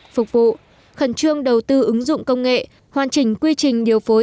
phục vụ khẩn trương đầu tư ứng dụng công nghệ hoàn chỉnh quy trình điều phối